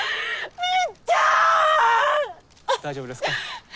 大丈夫ですか？